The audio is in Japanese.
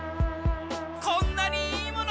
こんなにいいもの！